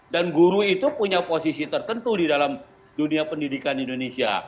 dan guru itu punya posisi tertentu di dalam dunia pendidikan indonesia